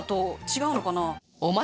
違うのかな？